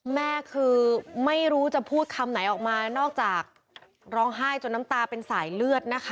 แม่คือไม่รู้จะพูดคำไหนออกมานอกจากร้องไห้จนน้ำตาเป็นสายเลือดนะคะ